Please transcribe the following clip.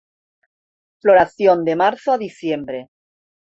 Floración de marzo a diciembre.